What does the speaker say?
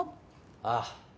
ああ。